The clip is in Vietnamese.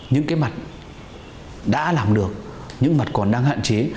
những mặt đã làm được những mặt còn đang hạn chế